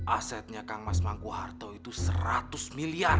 asetnya kang mas mangguwarto itu seratus miliar